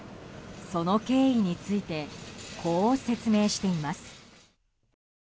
その経緯についてこう説明しています。